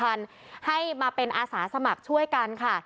อยากจะขอเชิญชวนประชาสัมพันธ์ให้มาเป็นอาสาสมัครช่วยกันค่ะ